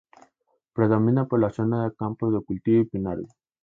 Predomina por la zona campos de cultivos y pinares.